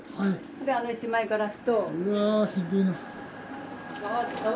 あの１枚ガラスと。